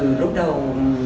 từ lúc đầu